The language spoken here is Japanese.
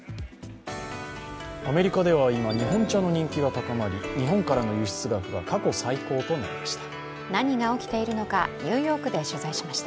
アメリカでは今、日本茶の人気が高まり日本からの輸出額が過去最高となりました。